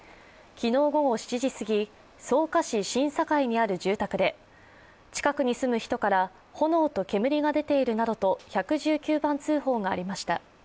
昨日午後７時過ぎ、草加市新栄にある住宅で近くに住む人から、炎と煙が出ているなどと１１９番通報がありました。